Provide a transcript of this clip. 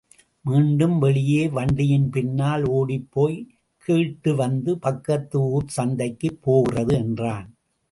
மீண்டும் வெளியே வண்டியின் பின்னால் ஒடிப்போய்க் கேட்டுவந்து பக்கத்து ஊர் சந்தைக்குப் போகிறது என்றான்.